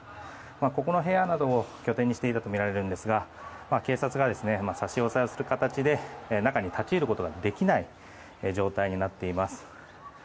ここの部屋などを拠点にしていたとみられるんですが警察が差し押さえをする形で中に立ち入ることができない状態になっています。